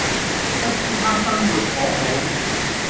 不知他生活可好